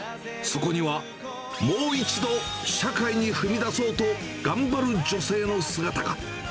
そこにはもう一度、社会に踏み出そうと頑張る女性の姿が。